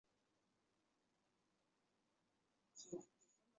鸡眼藤为茜草科巴戟天属下的一个种。